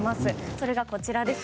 それがこちらです。